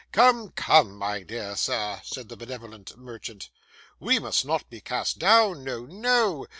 'Come, come, my dear sir,' said the benevolent merchant; 'we must not be cast down; no, no.